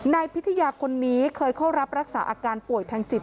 นายพิทยาคนนี้เคยเข้ารับรักษาอาการป่วยทางจิต